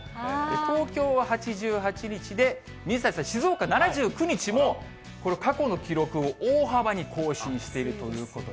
東京は８８日で、水谷さん、静岡７９日もこの過去の記録を大幅に更新しているということで。